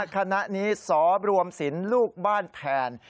คณะนี้สอรวมศิลป์ลูกบ้านแทน